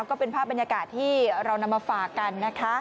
ก็เป็นภาพบรรยากาศที่เรานำมาฝากกันนะคะ